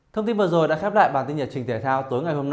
thông tin vừa rồi đã khép lại bản tin nhật